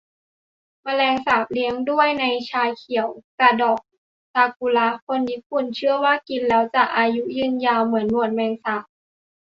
แมงสาบเลี้ยงด้วยใบชาเขียวกะดอกซากูระ คนญี่ปุ่นเชื่อว่ากินแล้วจะอายุยืนยาว เหมือนหนวดแมงสาบ